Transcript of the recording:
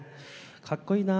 かっこいいな。